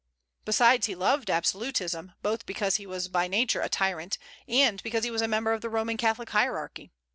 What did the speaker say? Besides, he loved absolutism, both because he was by nature a tyrant, and because he was a member of the Roman Catholic hierarchy.